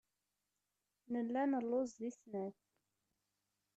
Nella nelluẓ deg snat.